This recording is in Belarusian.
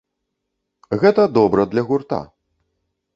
Гэта добра для гурта.